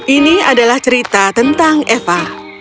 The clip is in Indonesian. ini adalah cerita tentang eva